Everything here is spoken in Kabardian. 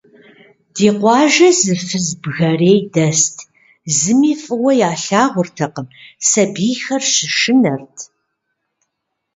Ди къуажэ зы фыз бгэрей дэст, зыми фӏыуэ ялъагъуртэкъым, сабийхэр щышынэрт.